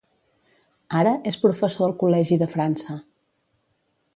Ara, és professor al Col·legi de França.